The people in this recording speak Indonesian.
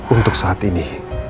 untuk saat ini